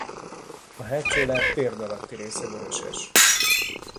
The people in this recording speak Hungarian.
A hátsó láb térd alatti része vöröses.